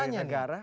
nah ini ditanya nih